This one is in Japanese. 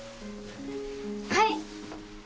はい！